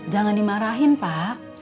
jangan dimarahin pak